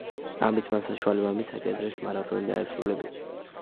ამით, მან საშუალება მისცა კეტრინს, მარათონი დაესრულებინა.